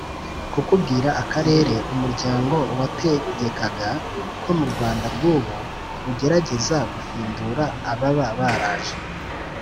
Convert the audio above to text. kukubwira akarere umuryango wategekaga ko mu rwanda rw’ubu, ugerageza gufindura ababa baraje